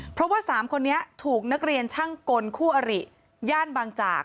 เพราะว่า๓คนนี้ถูกนักเรียนช่างกลคู่อริย่านบางจาก